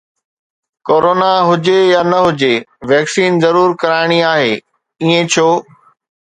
Corona هجي يا نه هجي، ويڪسين ضرور ڪرائڻي آهي، ائين ڇو؟